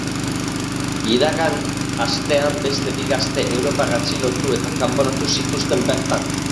Iragan astean beste bi gazte europar atxilotu eta kanporatu zituzten bertan.